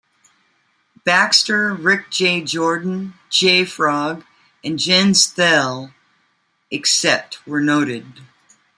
Baxxter, Rick J. Jordan, Jay Frog, and Jens Thele, except where noted.